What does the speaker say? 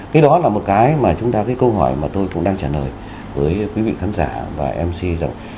cái đó là một cái mà chúng ta cái câu hỏi mà tôi cũng đang trả lời với quý vị khán giả và mc rồi